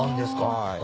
はい。